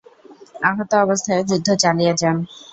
আহত অবস্থায়ও যুদ্ধ চালিয়ে যান।